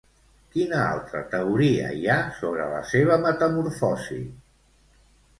Quina altra teoria hi ha sobre la seva metamorfosis?